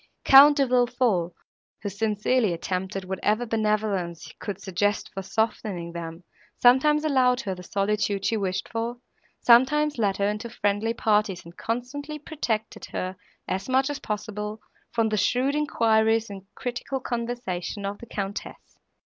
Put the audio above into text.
Count De Villefort, who sincerely attempted whatever benevolence could suggest for softening them, sometimes allowed her the solitude she wished for, sometimes led her into friendly parties, and constantly protected her, as much as possible, from the shrewd enquiries and critical conversation of the Countess.